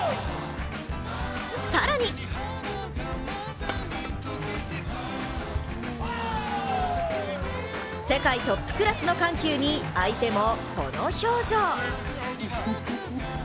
更に世界トップクラスの緩急に相手もこの表情。